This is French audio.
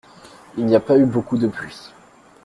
Il n’y a pas eu beaucoup de pluie.